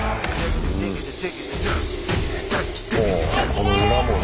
この裏もね。